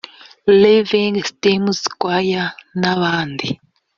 Living streams choir n’abandi